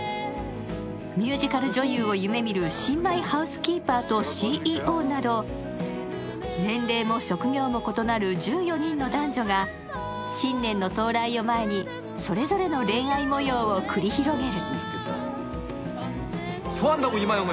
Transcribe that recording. ミュージカル女優を夢見る新米ハウスキーパーとＣＥＯなど、年齢も職業も異なる１４人の男女が新年の到来を前にそれぞれの恋愛模様を繰り広げる。